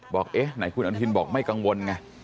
บอกเอ๊ะไหนคุณอนุทินบอกไม่กังวลไง